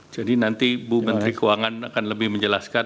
jadi nanti bu menteri keuangan akan lebih menjelaskan